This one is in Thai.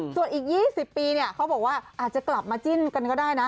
ส่วนอีก๒๐ปีเนี่ยเขาบอกว่าอาจจะกลับมาจิ้นกันก็ได้นะ